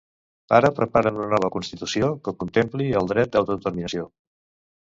Ara preparen una nova constitució que contempli el dret d'autodeterminació.